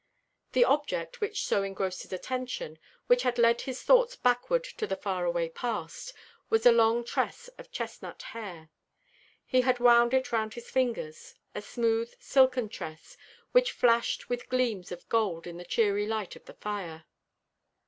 The object which so engrossed his attention, which had led his thoughts backward to the faraway past, was a long tress of chestnut hair. He had wound it round his fingers a smooth, silken tress, which flashed with gleams of gold in the cheery light of the fire.